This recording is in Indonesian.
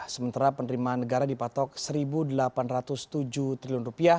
sementara penerimaan negara dipatok rp satu delapan ratus tujuh triliun